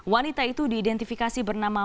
wanita itu diidentifikasi bernama